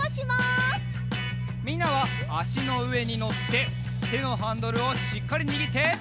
みんなはあしのうえにのっててのハンドルをしっかりにぎって。